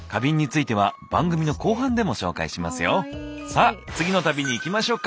さあ次の旅に行きましょうか。